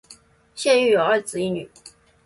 现育有二子一女。